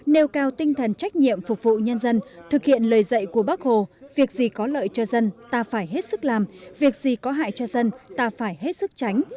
nêu cao tinh thần trách nhiệm phục vụ nhân dân thực hiện lời dạy của bác hồ việc gì có lợi cho dân ta phải hết sức làm việc gì có hại cho dân ta phải hết sức tránh